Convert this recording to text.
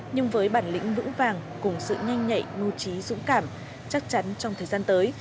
nhưng với bản lĩnh vững vàng cùng sự nhanh nhạy mưu trí dũng cảm chắc chắn trong thời gian tới